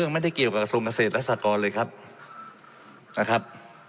ไม่ได้เกี่ยวกับกัสเสร็จรสหกคอนเลยครับ